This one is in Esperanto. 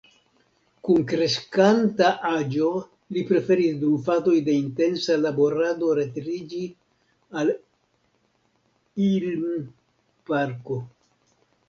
Kun kreskanta aĝo li preferis dum fazoj de intensa laborado retiriĝi al Ilm-parko.